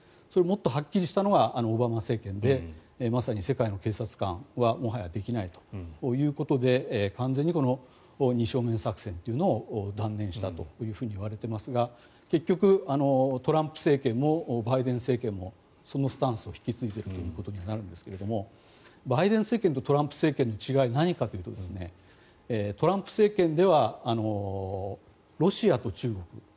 それ、もっとはっきりしたのがオバマ政権でまさに世界の警察官はもはやできないということで完全に二正面作戦というのを断念したといわれていますが結局、トランプ政権もバイデン政権もそのスタンスを引き継いでいるということになるんですがバイデン政権とトランプ政権の違いは何かというとトランプ政権ではロシアと中国